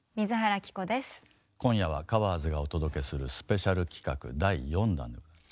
今夜は「カバーズ」がお届けするスペシャル企画第４弾。